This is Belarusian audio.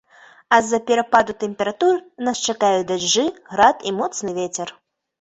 А з-за перападаў тэмператур нас чакаюць дажджы, град і моцны вецер.